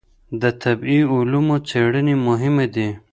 د طبعي علومو څېړنې مهمې دي.